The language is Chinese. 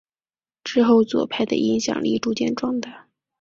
之后左派的影响力逐渐壮大。